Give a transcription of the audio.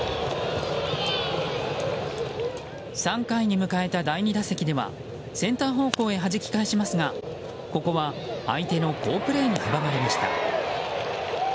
３回に迎えた第２打席ではセンター方向へはじき返しますがここは相手の好プレーに阻まれました。